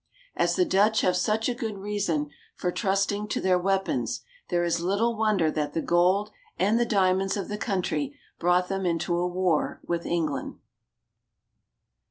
As the Dutch have such a good reason for trusting to their weapons there is little wonder that the gold and the diamonds of the country brought them into a war with England.